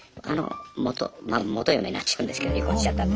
元まあ元嫁になっちゃうんですけど離婚しちゃったので。